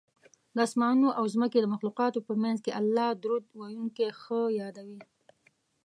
د اسمانونو او ځمکې د مخلوقاتو په منځ کې الله درود ویونکی ښه یادوي